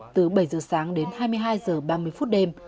từ bảy giờ sáng đến hai mươi hai h ba mươi phút đêm